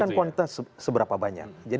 bukan kuantitas seberapa banyak